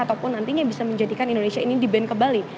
ataupun nantinya bisa menjadikan indonesia ini diban kembali